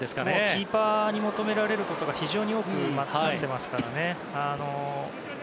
キーパーに求められることが非常に多くなってきていますから。